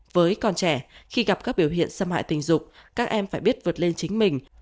với con trẻ khi gặp các biểu hiện xâm hại tình dục các em phải biết vượt lên chính mình